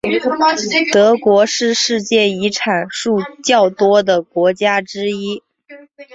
德国是世界遗产数较多的国家之一。